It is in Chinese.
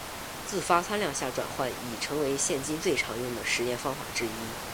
自发参量下转换已成为现今最常用的实验方法之一。